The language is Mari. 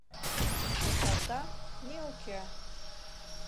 Ни шокталта, ни уке.